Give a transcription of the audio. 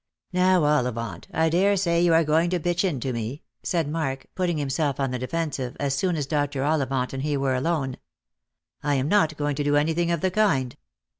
" Now, Ollivant, I daresay you are going to pitch into me," said Mark, putting himself on the defensive, as soon as Dr. Ollivant and he were alone. " I am not going to do anything of the kind.